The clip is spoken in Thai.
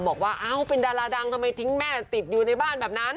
บอกว่าเอ้าเป็นดาราดังทำไมทิ้งแม่ติดอยู่ในบ้านแบบนั้น